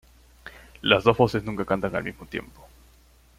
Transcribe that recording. Las dos voces nunca cantan al mismo tiempo.